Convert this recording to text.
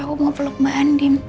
aku mau peluk mbak andin